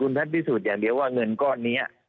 แพทย์พิสูจน์อย่างเดียวว่าเงินก้อนนี้